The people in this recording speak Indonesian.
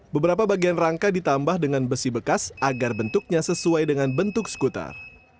beberapa bagian rangka ditambah dengan besi bekas agar bentuknya sesuai dengan bentuk skuter